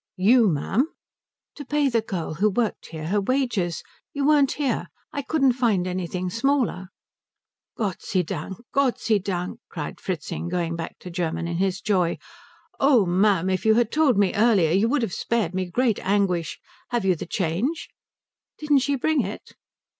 "You, ma'am?" "To pay the girl who worked here her wages. You weren't here. I couldn't find anything smaller." "Gott sei Dank! Gott sei Dank!" cried Fritzing, going back to German in his joy. "Oh ma'am, if you had told me earlier you would have spared me great anguish. Have you the change?" "Didn't she bring it?"